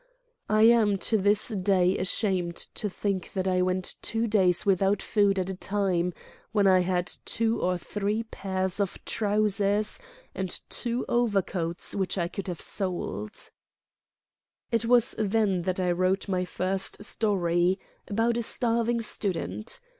I am to this day ashamed to think that I went two days without food at a time when I had two or three pairs of trousers and two over coats which I could have sold. vi Preface "It was then that I wrote my first story about a starving student.